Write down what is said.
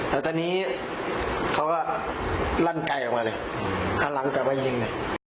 แล้วตอนนี้เขาก็ลั่นไกลออกมาเลยหันหลังกลับมายิงเลย